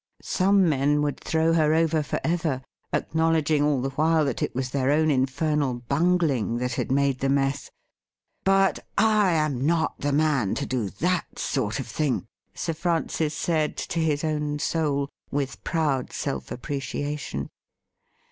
Some men would throw her over for ever, acknowledging all the while that it was their own infernal bungling that had made the mess. ' But I am not the man to do that sort of thing,' Sir Francis said to his own soul, with proud self appreciation.